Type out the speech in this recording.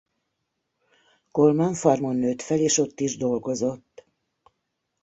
Coleman farmon nőtt fel és ott is dolgozott.